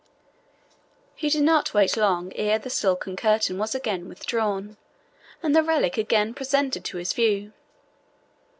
He did not wait long ere the silken curtain was again withdrawn, and the relic again presented to his view.